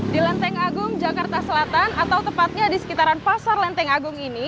di lenteng agung jakarta selatan atau tepatnya di sekitaran pasar lenteng agung ini